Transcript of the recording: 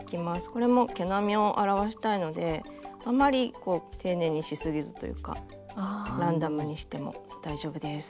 これも毛並みを表したいのであんまり丁寧にしすぎずというかランダムにしても大丈夫です。